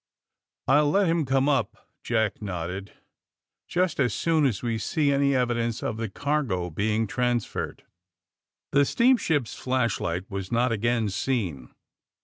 "I'll let him come up," Jack nodded, *'just AND THE SMUGGLEES 205 as soon as we see any evidence of the cargo being transferred." The steamship 's flashlight was not again seen.